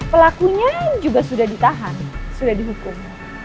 pelakunya juga sudah ditahan sudah dihukum